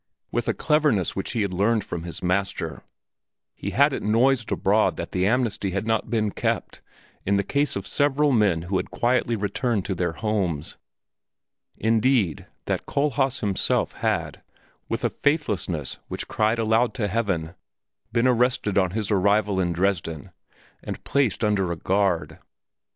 With a cleverness which he had learned from his master, he had it noised abroad that the amnesty had not been kept in the case of several men who had quietly returned to their homes indeed that Kohlhaas himself had, with a faithlessness which cried aloud to heaven, been arrested on his arrival in Dresden and placed under a guard.